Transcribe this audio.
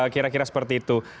kira kira seperti itu